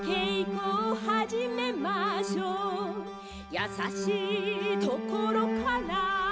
「やさしいところから」